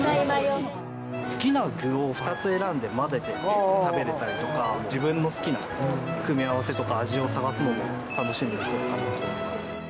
好きな具を２つ選んで、混ぜて食べれたりとか、自分の好きな組み合わせとか、味を探すのも楽しみの一つかなと思います。